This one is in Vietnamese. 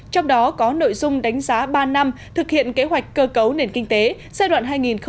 trong đó có nội dung đánh giá ba năm thực hiện kế hoạch cơ cấu nền kinh tế giai đoạn hai nghìn một mươi sáu hai nghìn hai mươi